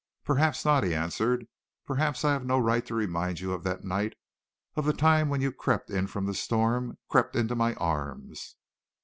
"Perhaps not," he answered. "Perhaps I have no right to remind you of that night, of the time when you crept in from the storm, crept into my arms."